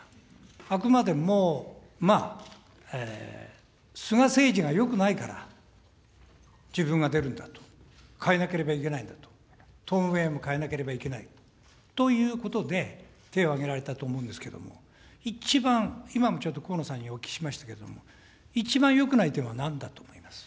あくまでも、まあ、菅政治がよくないから自分が出るんだと、変えなければいけないんだ、党運営も変えなければいけないということで手を挙げられたと思うんですけれども、一番、今もちょっと河野さんにお聞きしましたけれども、一番よくない点はなんだと思いますか。